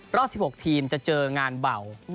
รอบ๑๖ทีมจะเจองานเบา